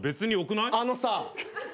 あのさ！